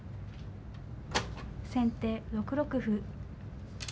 先手６六歩。